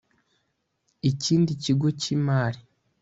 ikindi kigo cy imari